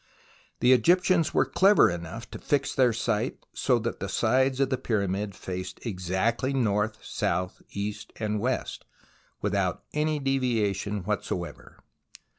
The Egyptians were clever enough to fix their site so that the sides of the Pyramid faced exactly north, south, east and west, without any deviation whatsoever.